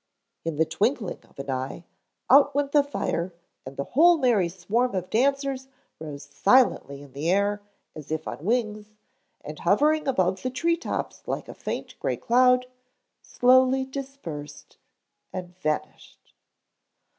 In the twinkling of an eye, out went the fire and the whole merry swarm of dancers rose silently in the air, as if on wings, and hovering above the tree tops like a faint, gray cloud, slowly dispersed and vanished.